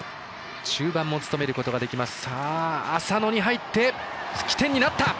中盤も務めることができます。